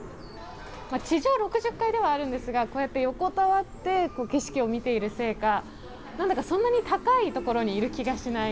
地上６０階ではあるんですが横たわって景色を見ているせいか何だかそんなに高い所にいる気がしない。